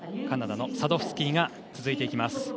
カナダのサドフスキーが続きます。